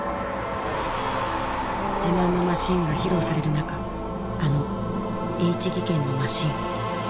自慢のマシンが披露される中あのＨ技研のマシン。